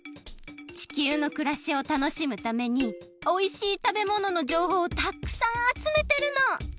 地球のくらしをたのしむためにおいしいたべもののじょうほうをたっくさんあつめてるの！